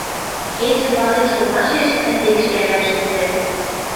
Кечӹ вален шомашеш ӹндекш кӓвӓн шӹнзӹ.